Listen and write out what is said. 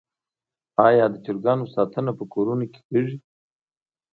آیا د چرګانو ساتنه په کورونو کې کیږي؟